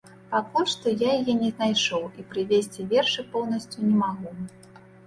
Пакуль што я яе не знайшоў і прывесці вершы поўнасцю не магу.